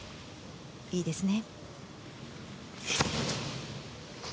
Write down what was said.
いいですね。